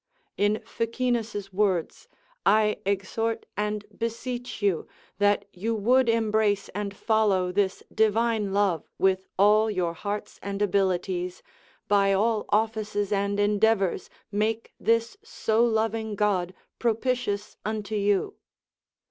In. Ficinus's words, I exhort and beseech you, that you would embrace and follow this divine love with all your hearts and abilities, by all offices and endeavours make this so loving God propitious unto you.